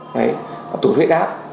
đấy tủi huyết áp